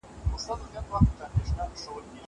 زه به انځور ليدلی وي!